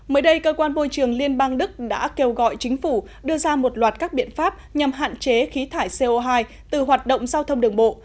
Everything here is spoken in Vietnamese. mới đây cơ quan bôi trường liên bang đức đã kêu gọi chính phủ đưa ra một loạt các biện pháp nhằm hạn chế khí thải co hai từ hoạt động giao thông đường bộ